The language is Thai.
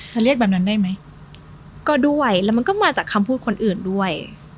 เรียกแบบนั้นได้ไหมก็ด้วยแล้วมันก็มาจากคำพูดคนอื่นด้วย